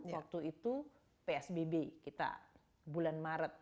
waktu itu psbb kita bulan maret